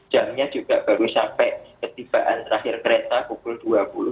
jamnya juga baru sampai ketibaan terakhir kereta pukul dua puluh